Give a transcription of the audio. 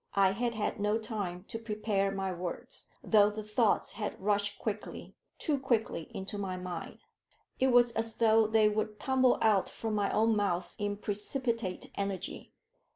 I had had no time to prepare my words, though the thoughts had rushed quickly, too quickly, into my mind. It was as though they would tumble out from my own mouth in precipitate energy.